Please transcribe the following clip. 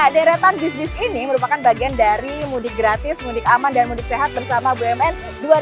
deretan bis bis ini merupakan bagian dari mudik gratis mudik aman dan mudik sehat bersama bumn dua ribu dua puluh